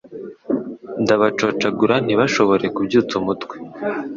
Ndabacocagura ntibashobore kubyutsa umutwe